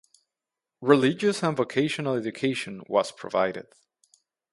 Religious and Vocational education was provided.